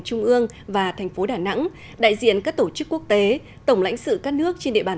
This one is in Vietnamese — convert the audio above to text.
trung ương và thành phố đà nẵng đại diện các tổ chức quốc tế tổng lãnh sự các nước trên địa bàn